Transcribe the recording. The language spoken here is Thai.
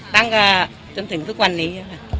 ตั้งกว่าจนถึงทุกวันนี้